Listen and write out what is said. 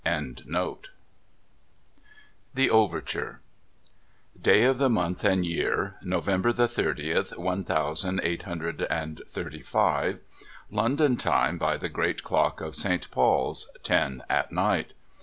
] NO THOROUGHFARE THE OVERTURE Day of the month and year, November the thirtieth, one thousand eight hundred and thirty five. London Time by the great clock of Saint Paul's, ten at night.